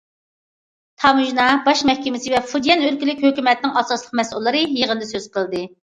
تاموژنا باش مەھكىمىسى ۋە فۇجيەن ئۆلكىلىك ھۆكۈمەتنىڭ ئاساسلىق مەسئۇللىرى يىغىندا سۆز قىلدى.